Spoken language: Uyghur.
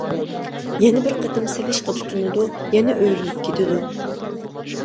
يەنە بىر قېتىم سېلىشقا تۇتۇنىدۇ، يەنە ئۆرۈلۈپ كېتىدۇ.